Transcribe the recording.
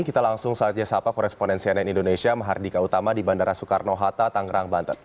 kita langsung saja sahabat koresponen cnn indonesia mahardika utama di bandara soekarno hatta tangerang banten